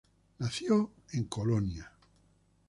Nació en Colonia.